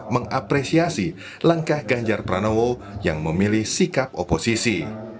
mengapresiasi langkah ganjar pranowo yang memilih sikap oposisi